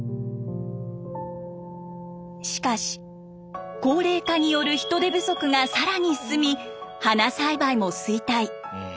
しかし高齢化による人手不足が更に進み花栽培も衰退。